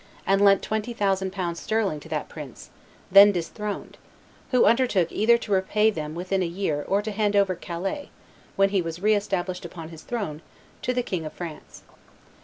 and lent twenty thousand pounds sterling to that prince, then disthroned, who undertook either to repay them within a year or to hand over Calais, when he was re established upon his throne, to the King of France.